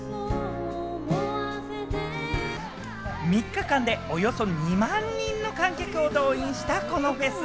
３日間でおよそ２万人の観客を動員したこのフェス。